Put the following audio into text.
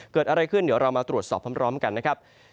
เกิดอะไรขึ้นเดี๋ยวเรามาตรวจสอบพร้อมกันนะครับ